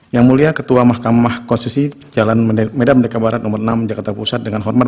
yang mulia ketua mahkamah konstitusi jalan medan merdeka barat nomor enam jakarta pusat dengan hormat